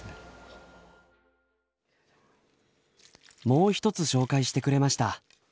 もう一つ紹介してくれました。